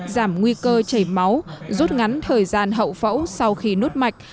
giảm nguy cơ chảy máu rút ngắn thời gian hậu phẫu sau khi nút mạch